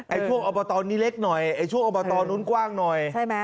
ช่วงอบตนี้เล็กหน่อยไอ้ช่วงอบตนู้นกว้างหน่อยใช่ไหม